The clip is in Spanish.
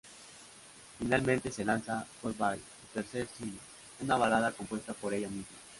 Finalmente se lanza "Goodbye" su tercer single, una balada compuesta por ella misma.